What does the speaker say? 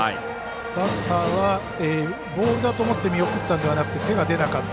バッターはボールだと思って見送ったんではなくて手が出なかった。